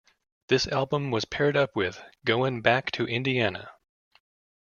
This album was paired up with "Goin' Back to Indiana".